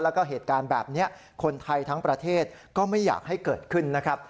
แล้วก็เหตุการณ์แบบนี้คนไทยทั้งประเทศก็ไม่อยากให้เกิดขึ้นนะครับ